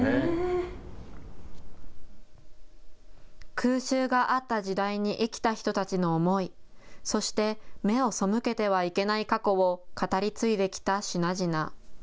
空襲があった時代に生きた人たちの思い、そして目を背けてはいけない過去を語り継いできた品々。